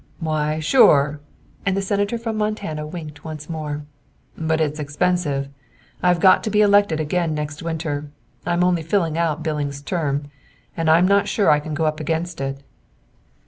"Why sure!" and the Senator from Montana winked once more. "But it's expensive. I've got to be elected again next winter I'm only filling out Billings' term and I'm not sure I can go up against it."